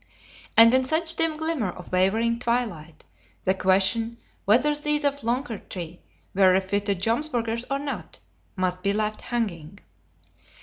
And in such dim glimmer of wavering twilight, the question whether these of Loncarty were refitted Jomsburgers or not, must be left hanging.